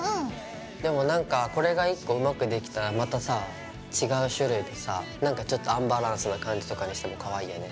でもこれが１個うまくできたらまたさ違う種類でさなんかちょっとアンバランスな感じとかにしてもかわいいよね。